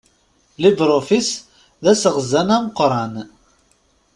LibreOffice d aseɣzan ameqqran.